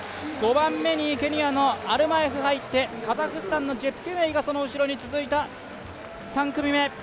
５番目にケニアのアルマエフが入ってカザフスタンのジェプケメイがその後ろに続いた３組目。